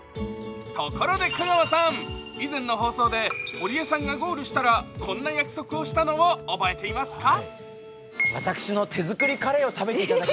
ところで香川さん、以前の放送で堀江さんがゴールしたら、こんな約束をしたのを覚えていますか？